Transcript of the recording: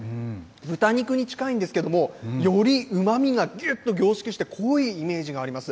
豚肉に近いんですけれども、よりうまみがぎゅっと凝縮して、濃いイメージがあります。